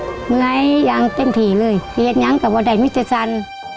เหนื่อยยังเต็มถี่เลยเห็นยังกับว่าใดไม่เจ็ดสัน